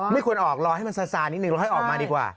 ไม่ควรออกรอให้มันซาซานิดนึงเราค่อยออกมาดีกว่า